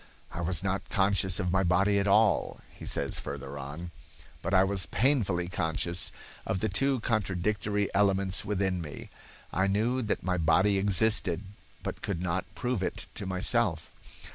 "I was not conscious of my body at all," he says further on, "but I was painfully conscious of the two contradictory elements within me. I knew that my body existed, but could not prove it to myself.